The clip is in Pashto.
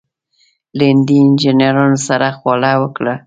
له هندي انجنیرانو سره خواله وکړه.